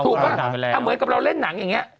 ป่ะเหมือนกับเราเล่นหนังอย่างนี้